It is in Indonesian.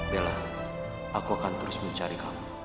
bella aku akan terus mencari kami